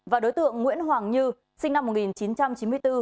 và đối tượng nguyễn hoàng như sinh năm một nghìn chín trăm chín mươi bốn